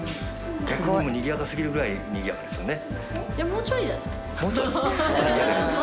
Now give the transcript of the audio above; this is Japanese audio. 逆ににぎやか過ぎるぐらいにぎやかですよね。